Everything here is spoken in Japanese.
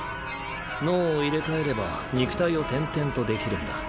脳を入れ替えれば肉体を転々とできるんだ。